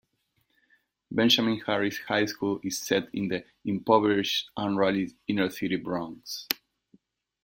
Benjamin Harris High School is set in the impoverished, unruly inner-city Bronx.